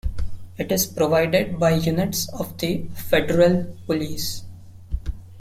It is provided by units of the Federal Police.